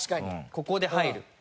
ここで入る？